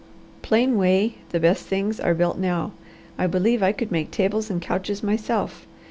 Plain way the best things are built now, I believe I could make tables and couches myself.